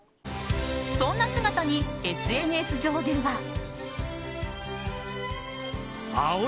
そんな姿にＳＮＳ上では。